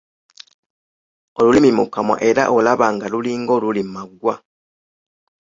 Olulimi mu kamwa era olaba nga lulinga oluli mu maggwa.